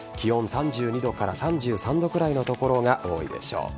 ３２度から３３度ぐらいの所が多いでしょう。